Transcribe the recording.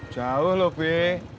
jauh lo be